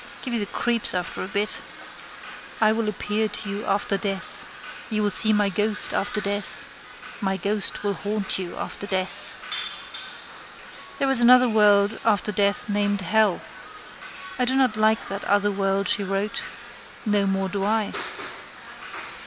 Give you the creeps after a bit. I will appear to you after death. You will see my ghost after death. My ghost will haunt you after death. There is another world after death named hell. I do not like that other world she wrote. No more do I.